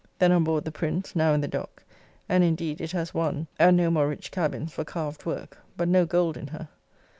Then on board the Prince, now in the dock, and indeed it has one and no more rich cabins for carved work, but no gold in her.